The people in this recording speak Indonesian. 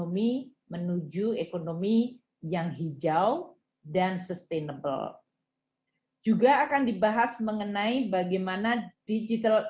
ekonomi menuju ekonomi yang hijau dan sustainable juga akan dibahas mengenai bagaimana digital